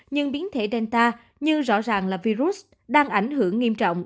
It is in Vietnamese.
nhưng biến thể delta nhưng rõ ràng là virus đang ảnh hưởng nghiêm trọng